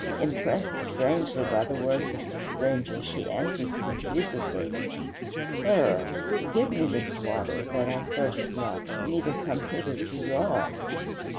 Impressed strangely by the words of the stranger, she answers confusedly, "Sir, give me this water, that I thirst not, neither come hither to draw."